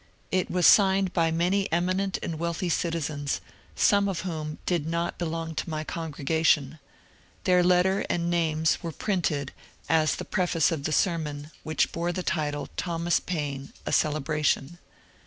It was signed by many eminent and wealthy citizens, some of whom did not be long to my congregation ; their letter and names were printed as the preface of the sermon, which bore the title ^^ Thomas Paine. A Celebration."